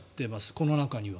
この中には。